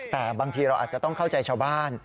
แต่บางทีเราอาจจะต้องเข้าใจชาวบ้าน